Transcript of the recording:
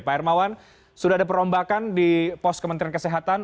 pak hermawan sudah ada perombakan di pos kementerian kesehatan